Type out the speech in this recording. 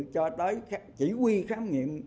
cho tới chỉ huy khám nghiệm